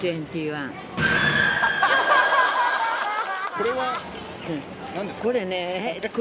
これは何ですか？